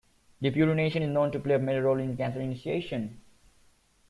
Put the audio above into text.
Depurination is known to play a major role in cancer initiation.